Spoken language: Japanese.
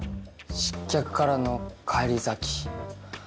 失脚からの返り咲き。